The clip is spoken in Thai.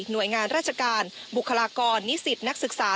หน่วยงานราชการบุคลากรนิสิตนักศึกษา